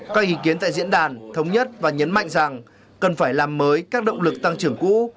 các ý kiến tại diễn đàn thống nhất và nhấn mạnh rằng cần phải làm mới các động lực tăng trưởng cũ